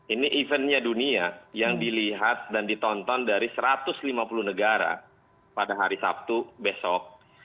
ini eventnya dunia yang dilihat dan ditonton dari satu ratus lima puluh negara pada hari sabtu besok